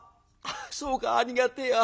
そうかありがてえや。